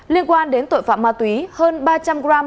liên quan đến tội phạm ma túy hơn ba trăm linh g ma túy